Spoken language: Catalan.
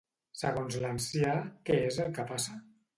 Segons l'ancià, què és el que passa?